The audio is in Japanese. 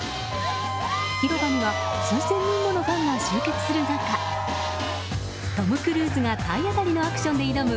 広場には数千人ものファンが集結する中トム・クルーズが体当たりのアクションで挑む